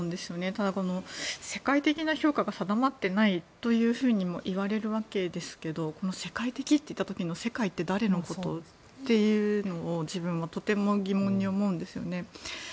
ただ、世界的な評価が定まっていないというふうにもいわれるわけですけど世界的って言った時の世界って誰のこと？っていうのを自分はとても疑問に思うんですよね。